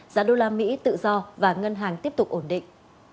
giá đô la mỹ tự do và ngân hàng tiếp tục ổn định